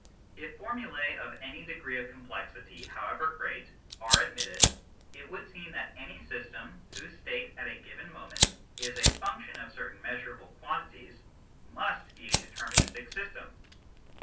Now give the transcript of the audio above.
If formulae of any degree of complexity, however great, are admitted, it would seem that any system, whose state at a given moment is a function of certain measur able quantities, must be a deterministic system.